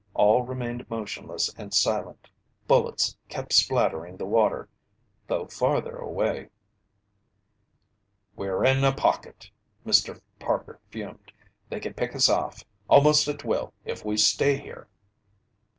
All remained motionless and silent. Bullets kept splattering the water, though farther away. "We're in a pocket!" Mr. Parker fumed. "They can pick us off almost at will if we stay here!"